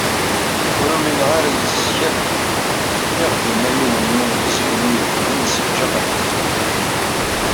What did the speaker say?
"Ur umineɣ ara yis-s akk", i aɣ-d-yenna yiwen n yilemẓi i irefden asenǧaq amaziɣ.